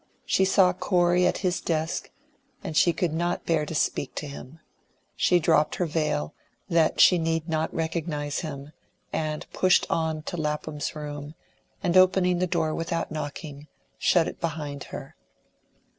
She saw Corey at his desk, and she could not bear to speak to him; she dropped her veil that she need not recognise him, and pushed on to Lapham's room, and opening the door without knocking, shut it behind her.